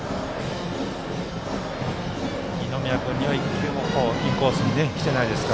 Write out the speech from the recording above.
二宮君には１球もインコースに来てないですね。